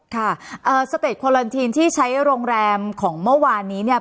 ค่ะสเตจโคลันทีนที่ใช้โรงแรมของเมื่อวานนี้เนี่ย